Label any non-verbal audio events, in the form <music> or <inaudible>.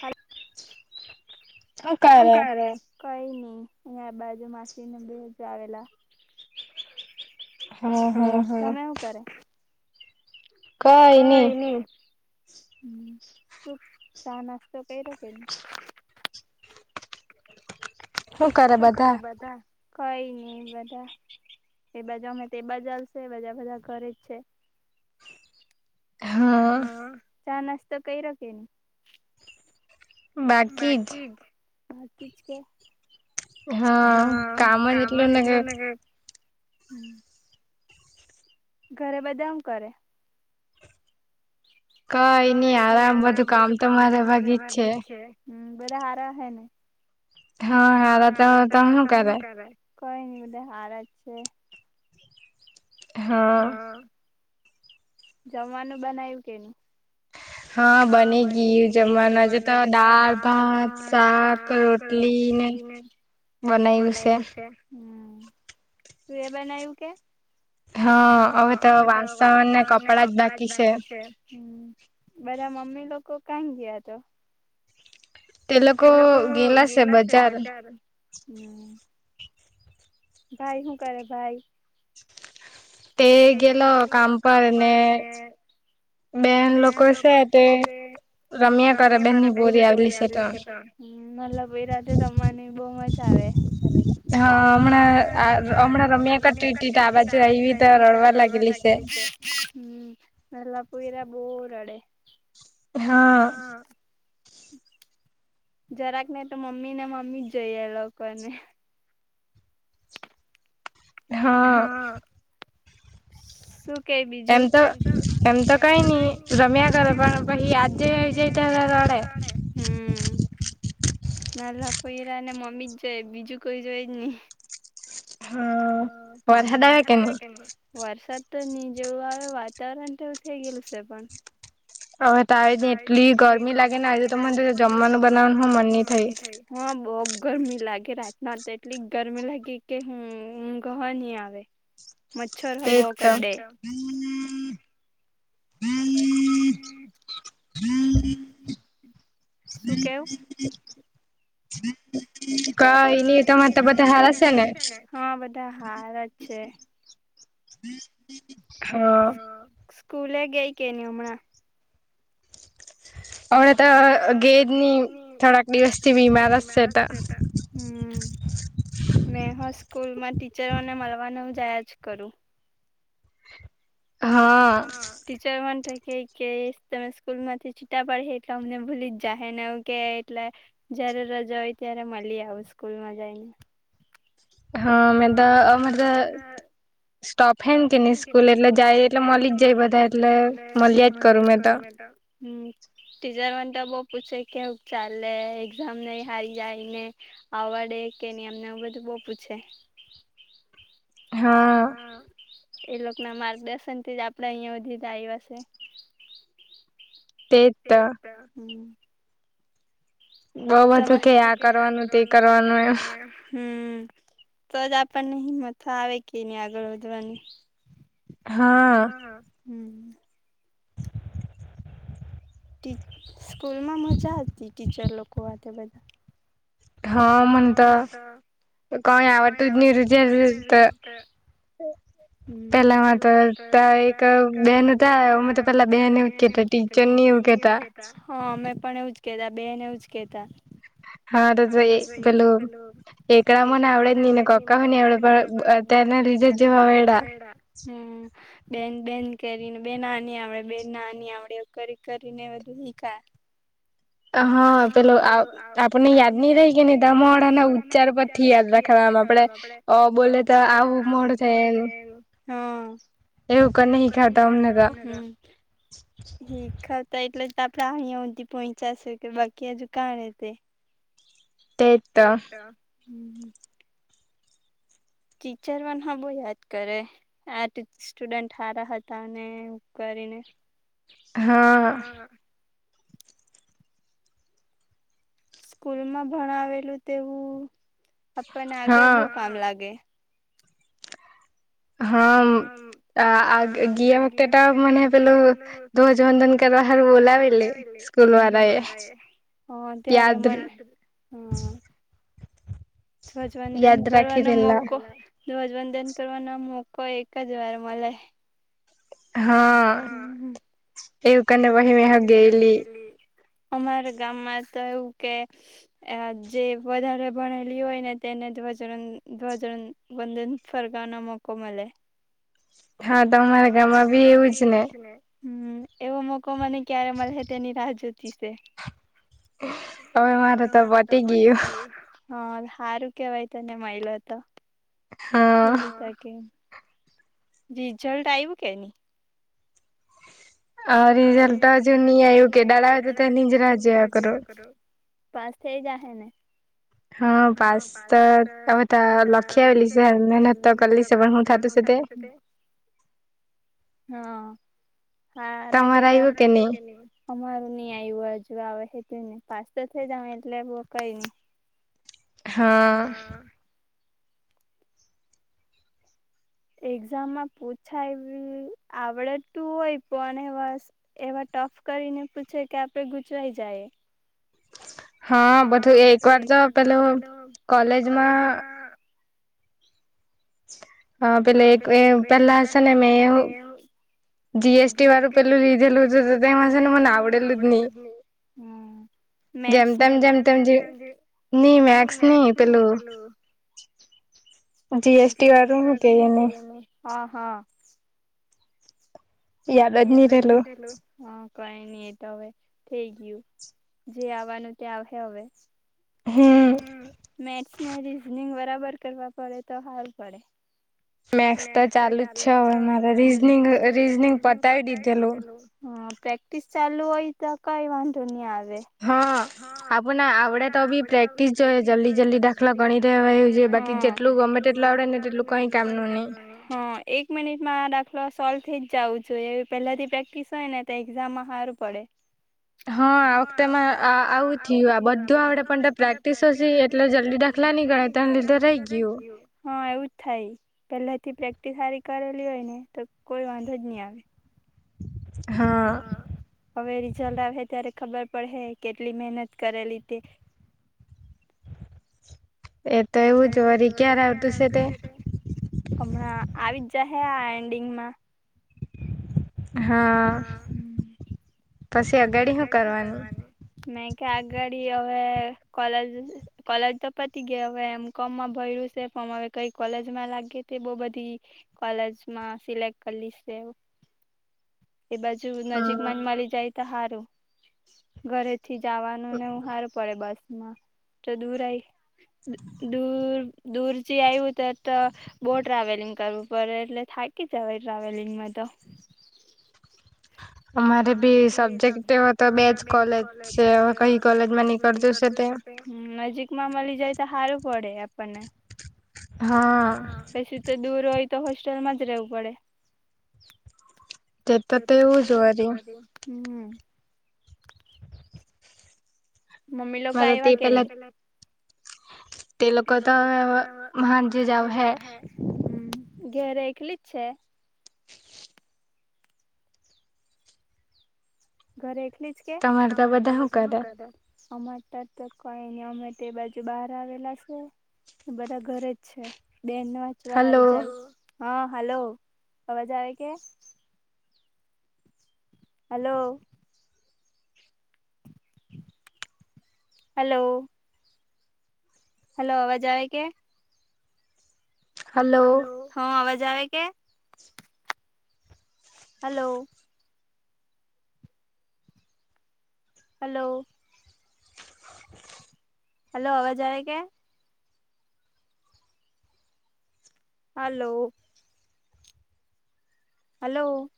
Hello. શ કરે કઈ નઈ. અહં બાજુ માસીને બે હજુ આવેલા. હ તમે હું કરે. કઈ ની. હ શું ચા નાસ્તો કર ર્યો કે. શું કર બધા કઈ નઈ બધા. એ બાજુ અમે તો બાજાલશે બધા બધા ઘરે જ છે હા. ચા નાસ્તા કઈ રોકેની. બાકી જ. હકી જ કે. હા કામ જ એટલું ને કે. હમ. ઘરે બધા એ કરે. કઈ ની આરામ બધું કામ તો મારે ભાગી જ છે. હમ બધા હારા હે ને? હા હારા તો તો હું કરે. કઈ ની બધા હારા જ છે. હા! જમવાનું બનાયવુ કે ની? હા બની ગીયુ જમવાનું આજે તો દાળ, ભાત, શાક, રોટલી એ બનાયવુ સે તું એ બનાયવુ કે? હા અવે અવે તો વાસણ ને કપડા જ બાકી છે બધા મમ્મી લોક કો કાં ગીયા તો? તે લોકો ગેલા સે બજાર. હમ ભાઈ હું કરે ભાઈ? તે ગેલો કામ પર ને બેન લોકો છે તે રમ્યા કરે બેન ની પોરી આવલી સે તો નાલા પોયરા હાતે રમવાની બો મજા આવે. હ હા અમણાં અમણાં રમ્યા કરતી ઉટી તો આ બાજુ આયવી તો ર તો રડવા લાગેલી છે. <inaudible> હમ નાલા પોઈરા બો રડે. હા હમ <unintelligible> જરાક ને તો મમ્મી ને મમ્મી જ જોઈએ એ લોકોને. હા સુ એમ તો એમ તો કઈ ની રમ્યા કરે પણ પહી યાદ જેવી આવી જાય ત્યારે ર રડે નાલા પોઈરા ને મમ્મી જ જોઈએ, બીજું કોઈ જોઈએ જ ની. અહ વરસાદ આવે કે ની? વરસાદ તો ની જેવું આવે વાતાવરણ તો થઈ ગયેલું સે પન. હવે તો આઈ જાય, એટલી ગરમી લાગે ને, આજે તો મન થયું જમવાનું બનાવાનું હો મન ની થાય. હા બોબ ગરમી લાગે રાતના તો એટલી ગરમી લાગી કે હું હમ્મ ઊંઘ હ ની આવે. મચ્છર હ બો કરડે. <inaudible> <inaudible> <inaudible> કઈ હે તમે તો બધા હારા સે ને? હા બધા હારા જ છે. હા. કૂલે ગઈ કે ને હમણાં? હવે તો ગયેજ ની થોડાક દિવસથી બીમારજ છું તો. હમ્મ. મેં હો સ્કૂલમાં ટીચરોને મળવાનું જયા જ કરું. હા. કેઈ કે તમે સ્કૂલ માંથી છૂટા પરહે એટલે અમને ભૂલીજ જાહે ને એવુ કેઈ એટલે જ જ્યારે રજા હોય ત્યારે મલી આવું સ્કૂલ માં જઈને. હા, મે તો અમારે તો સ્ટોપ ફેન કે ની સ્કૂલ એટલે જાય એટલે મલી જ જાય બધા એટલે મલ્યા જ કરું મેં તો. હમ્મ. ટીચર મન તો બોવ પૂછે કેવુંક ચાલે એક્ઝામ નઈ હારી જાયને આવાડે ડે કે ની અમને આવું બધું બોવ પૂછે. હા. એ લોકના માર્ગદર્શન થી જ આપડે અહિયાં હુધી તો આયવા સે. એજ તો. હમ્મ. તમે બધું કે આ કરવાનું તે કરવાનું એમ. હમ્મ. તો જ આપણને હિંમત આવે કે ની આગળ વધવાની. હા. હમ્મ. ટી સ્કૂલ માં મજા હતી ટીચર લોકો આ તે બધા. હા મન તો કોઈ આવતું જ ની રીઝલ્ટ <inaudible> પેલા માં તો તા એક બેન હતા અમે તો પેલા બેન એવું કીધું ટીચર નીયું યું કહેતા. હા અમે પણ એવું જ કેતા, બેન એવુંજ કેતા. હા <unintelligible> પેલું એકડા મને આવડે જ ની ને ક્કકા હે ની આવડે પણ ત્યારના <unintelligible> હમ્મ. બેન-બેન કરીને બેન આ ની આવડે બેન આ ની આવડે એવું કરી-કરીને બધું હિખા. <inaudible> હા પેલો આ આપને યાદ નહી રહી ગયેલી <unintelligible> અને ઉચ્ચાર પર થી યાદ રખાયવાતા. <unintelligible> આપડે અહ બોલે તો આવું મોઢું થયેલું. હા. એવું કરીને હિખવતા અમને તો. હિખવતા એટલે જ આપણા અહિયાં હુધી પહોયચા સે કે બાકી હજું કાઈ <unintelligible> તેં જ તો. હમ્મ. ટીચર પણ <unintelligible> બહું યાદ કરે. આ ટ સ્ટુડન્ટ સારા હતા, અને ક કરીને હા. સ્કૂલમાં ભણાવેલું તેવું આપણને આગળ બહું કામ લાગે. હામ. આ આ ગ ગિયા વખતે તો મને પેલુ ધ્વજવંદન કરવા હારુ બોલાવેલી. હા ત્યારે મને હા. ધ્વજવંદન કરવાનો મોકો ધ્વજવંદન કરવાનો મોકો એક જ વાર મલે હા એવું કને વહી મે હ ગ ગેલી અમારા ગામમાં તો એવું કે જે વધારે ભણેલી હોય ને તે ને ધ્વજવન ધ્વજવન વંદે ફરવાનો મોકો મલે હા તો અમારા ગામમાં બી એવું જ ને? હમ એવો મોકો મને ક્યારે મળે તેની રાહ જોતી છે હવે મારે તો પતી ગિયું હા હારું કેવાય તને માઈલો તો રિઝલ્ટ આવ્યું કેની? હ રિઝલ તો હજુ ની આવું કેડાળ આવે એની જ રાહ જોયા કરું પાસ થઇ જા હે ને? હા પાસ તો બધા લખી આવેલી છે મહેનત તો કરલી છે. પણ હું થત હા હા રા ગેલા અમારું ની આયવું અજુ આવહે હું પાસ તો થઈ જાવ એટલે બ કઈની હા એક્ઝામમાં પૂછાય આવડતું હોય પણને બસ એ ટફ કરીને પૂછે કે આપે ગૂચવાઈ જાયે હા બધું એક વાર તો પેલું કોલેજમાં હા પેલે એક પેલા છે ને મેં જી એસ ટી વાળું પેલું હતું તું તેમાં છે ને મને આવડેલું જ ની મેથસ ની મેથસની પેલું જી એસ ટી વાળુ હુ કેય એને હા હા યાદ જ ની રેલુ હ કઈ ની એ તો હવે થઈ ગીયુ જે આવાનુ તે આવહે અવે હમ મેથ્સનું રીઝનીંગ બરા બર કરવા પડે તો હારું પડે મેથ્સ તો ચાલુ જ છે હવે મારે રીઝનિંગ રીઝનિંગ પતા પતાવી દીધેલુ હ પ્રેક્ટિસ ચાલુ હોય તો કઈ વાંધો ની આ હા આપને આવડે તો બી પ્રેક્ટિસ જોઈ જલ્દી જલ્દી દાખલો ગણી રહેવાય હ એજુ ગમે તેટલુ આવડે તેટલુ કે કામ નુ ની એક મિનિટમા આ દાખ ખલો સોલ્વ થઈ જ હા આ વખતેમા આ આવુ થીયુ આ બધુ આવડે પણ પ્રેક્ટિસ જ ની એટલે જલ્દી દાખલા ની ની ગ ગણાય તારા લીધે રેય ગયો હા એવુ જ થાય પેલાથી પ્રે એ હારી કરેલી હોય ને તો કોઈ વાંધો જ ની આવે હા હવે રી જલ્ટ આવે ત્યારે ખબર પડહે કેટલી મેહનત કરેલી તે એ તો એવુ જ વરી ક્યારે આવતુ સે તે હમણાં આવી જ જાહે આ એન્ડિંગમા હા પછી અગાડી હુ કરવાની નઈ આગાડી હવે કોલેજ કોલેજ તો પતી ગઈ હવે એમ કોમ મા ભયરુ સે પ અમારે કઈ કોલેજમા લાગે તે બો બધી કોલેજમા સિલેક્ટ કરલી સે એ બાજુ નજીક મા મળી જાય તો હારુ ઘરેથી જાવાનુ નેવુ હારુ પડે બસ મા જો દૂર હોય દૂર દૂરજી આવ્યુ તો તો બો ટ્રાવેલિંગ કરવું પડે એટલે થા થાકી જવાય ટ્રાવલિંગમા તો અમારે ભી સબ્જેક્ટ તેવો તો બે જ કોલેજ છે કઈ કોલેજ મા નીકળતુ સે તે હ નજીક મા મલી જાય હારુ પડે આપડને, પસી તો દૂર હોય તો હોસ્ટેલમા જ રેવુ પડે. જતા તો એવુ જ વરી. હમ. મમ્મી લોકો આયવા કે ની? તે લોકો તો હવે હાંજે જ આવ હે. ઘેરે એકલી જ છે? ઘરે એકલી જ કે? તમાર તા બધા હુ કરે? અમાર તા તો કઈ ની અમે તે બાજુ બહાર આવેલા સે? બધા ઘરે જ છે, બેન વાંચવા હારુ હલો જાય. હા હલો અવાજ આવે કે? હલો. હલો. હલો અવાજ આવે કે? હલો હ અવાજ આવે કે? હલો. હલો. હલો અવાજ આવે કે? હાલો. હલો.